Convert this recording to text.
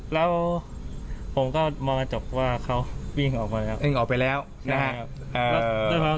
แล้วผมก็มองกระจกว่าเขาวิ่งออกมาแล้ววิ่งออกไปแล้วนะครับ